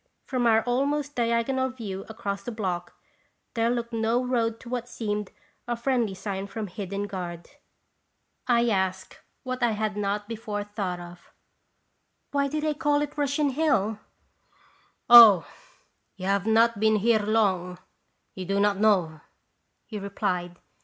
From our almost diagonal view across the block there looked no road to what seemed a friendly sign from hid den guard. I asked what I had not before thought of :" Why do they call it Russian Hill ?" Qi raci0tis biaitation. 209 " Oh ! you have not been here long ; you do not know !" he replied.